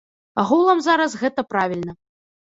Агулам зараз гэта правільна.